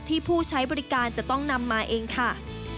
ผู้ใช้บริการจะต้องนำมาเองค่ะ